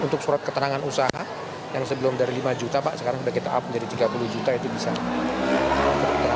untuk surat keterangan usaha yang sebelum dari lima juta pak sekarang sudah kita up menjadi tiga puluh juta itu bisa